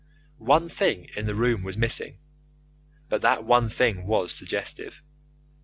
One thing in the room was missing but that one thing was suggestive.